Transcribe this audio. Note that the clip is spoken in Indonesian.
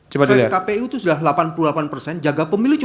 sirecap kpu itu sudah delapan puluh delapan jaga pemilih cuma lima puluh